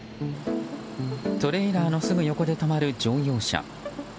トレーラーのすぐ横で止まる乗用車。